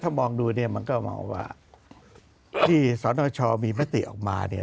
ถ้ามองดูมันก็มองว่าที่สตชมีมติออกมา